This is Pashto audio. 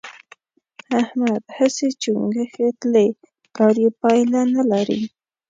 احمد هسې چنګوښې تلي؛ کار يې پايله نه لري.